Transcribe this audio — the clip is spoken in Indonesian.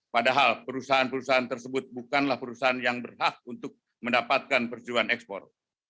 padahal perusahaan perusahaan tersebut bukanlah perusahaan yang berhak untuk mendapatkan persetujuan ekspor